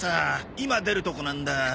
今出るとこなんだ。